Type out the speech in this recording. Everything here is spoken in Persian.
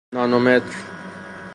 نانو متر